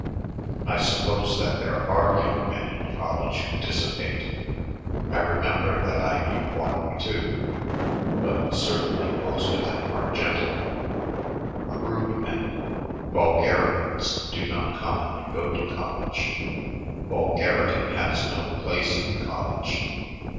I suppose that there are young men in college who dissipate remember that I knew one or two but certainly most of them are gentlemen. Crude men vulgarians do not commonly go to college. Vulgarity has no place in college.